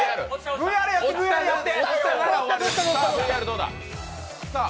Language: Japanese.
ＶＡＲやって！